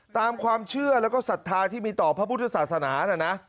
ตามความเชื่อแล้วก็ศรัทธาที่มีต่อพระพุทธศาสนานะนะ